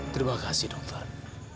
terima kasih dokter